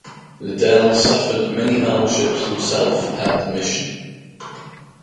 Liddell suffered many hardships himself at the mission.